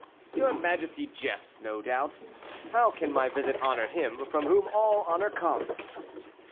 "Your majesty jests, no doubt. How can my visit honor him from whom all honor comes?"